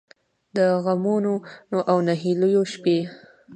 د غمـونـو او نهـيليو شـپې